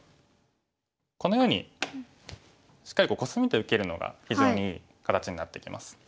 このようにしっかりコスミで受けるのが非常にいい形になってきます。